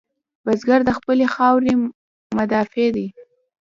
بزګر د خپلې خاورې مدافع دی